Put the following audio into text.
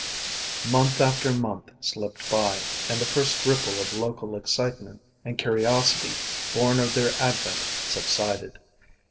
Month after month slipped by, and the first ripple of local excitement and curiosity born of their advent subsided.